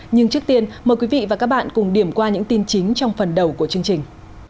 nhưng trước tiên mời quý vị và các bạn cùng điểm qua những tin chính trong phần đầu của chương trình